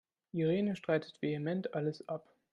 Irene streitet vehement alles ab.